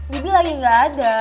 bibi lagi gak ada